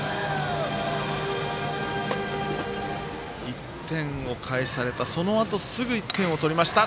１点を返された、そのあとすぐに１点を取りました。